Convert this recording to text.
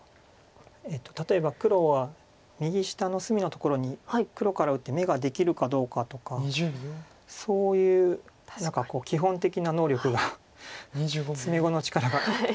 例えば黒は右下の隅のところに黒から打って眼ができるかどうかとかそういう基本的な能力が詰碁の力が。